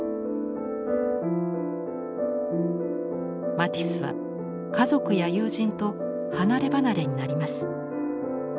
マティスは家族や友人と離れ離れになります。